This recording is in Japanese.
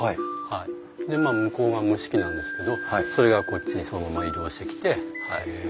でまあ向こうが蒸し器なんですけどそれがこっちにそのまま移動してきて。